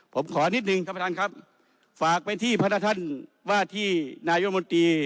ผมขอนิดนึงท่านประธานครับฝากไปที่พระท่านว่าที่นายมนตรี